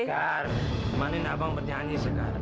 sekar kemarin abang bernyanyi sekar